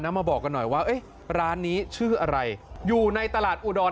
มาบอกกันหน่อยว่าเอ๊ะร้านนี้ชื่ออะไรอยู่ในตลาดอุดร